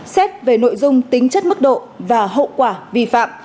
xét về nội dung tính chất mức độ và hậu quả vi phạm